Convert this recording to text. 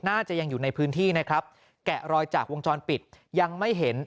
น่าจะยังอยู่ในพื้นที่นะครับแกะรอยจากวงจรปิดยังไม่เห็น